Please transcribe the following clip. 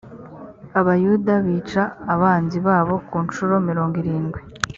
abayuda bica abanzi babo ku ncuro mirongo irindwi